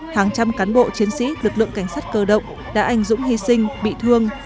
hàng trăm cán bộ chiến sĩ lực lượng cảnh sát cơ động đã ảnh dũng hy sinh bị thương